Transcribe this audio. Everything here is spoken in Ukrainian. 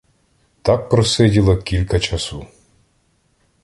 Так просиділа кілька часу.